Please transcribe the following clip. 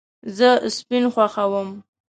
زه سپین خوښوم